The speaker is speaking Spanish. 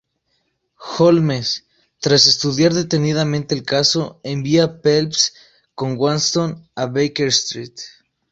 Holmes, tras estudiar detenidamente el caso, envía a Phelps con Watson a Baker Street.